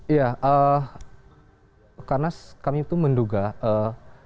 iya eh karena kami itu menduga eh